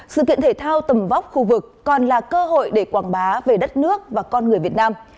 sự kiện thể thao tầm vóc khu vực còn là cơ hội để quảng bá về đất nước và con người việt nam